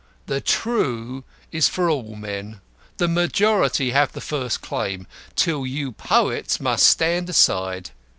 The True is for all men. The majority have the first claim. Till then you poets must stand aside.